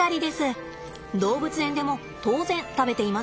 動物園でも当然食べていますよ。